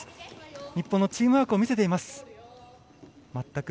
日本のチームワーク見せています。